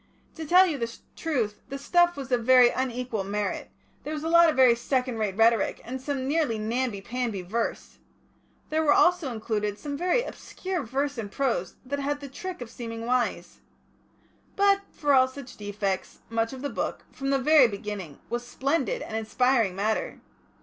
To tell you the truth, the stuff was of very unequal merit; there was a lot of very second rate rhetoric, and some nearly namby pamby verse. There was also included some very obscure verse and prose that had the trick of seeming wise. But for all such defects, much of the Book, from the very beginning, was splendid and inspiring matter.